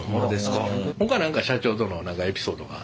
ほか何か社長との何かエピソードは？